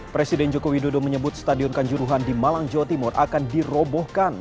presiden joko widodo menyebut stadion kanjuruhan di malang jawa timur akan dirobohkan